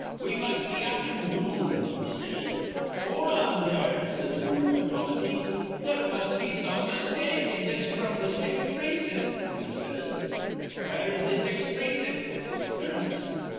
'We must be up an' doin',' he says. 'Hol' on there,' says wan iv th' comity. 'There must be some mistake in this fr'm th' sixth precin't,' he says. 'Where's the sixth precin't?' says Clarence.